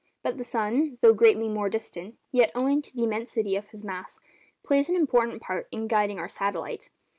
But the sun, though greatly more distant, yet, owing to the immensity of his mass, plays an important part in guiding our satellite.